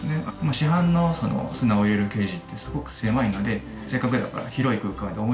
市販の砂を入れるケージってすごく狭いのでせっかくだから。